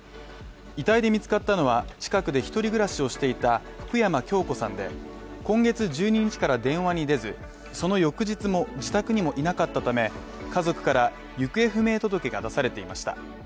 遺体で見つかったのは、近くで一人暮らしをしていた福山京子さんで、今月１２日から電話に出ず、その翌日も自宅にもいなかったため、家族から行方不明届が出されていました。